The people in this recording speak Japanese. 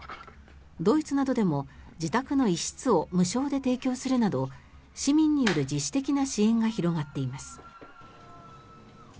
ドイツなどでも自宅の一室を無償で提供するなど市民による自主的な支援が広がっています。